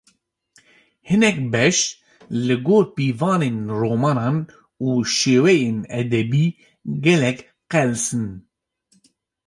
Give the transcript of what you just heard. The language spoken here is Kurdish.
Hinek beş, li gor pîvanên romanan û şêweyên edebî gelek qels in